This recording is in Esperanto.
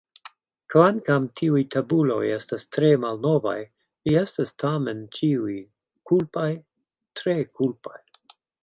Kvankam tiuj tabuloj estas tre malnovaj, vi estas tamen ĉiuj kulpaj, tre kulpaj.